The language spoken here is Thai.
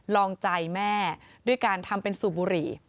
ลองใจแม่ด้วยการทำเป็นสูบบุหรี่